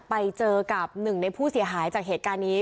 ไปเจอกับหนึ่งในผู้เสียหายจากเหตุการณ์นี้